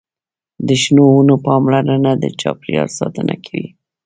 د شنو ونو پاملرنه د چاپیریال ساتنه کوي.